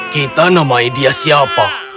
kita namai dia siapa